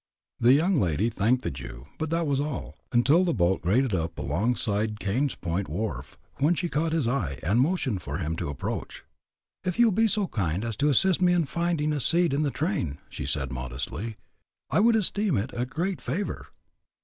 The young lady thanked the Jew, but that was all, until the boat grated up alongside Kaighn's Point wharf, when she caught his eye and motioned for him to approach. "If you will be so kind as to assist me in finding a seat in the train," she said, modestly, "I would esteem it a great favor."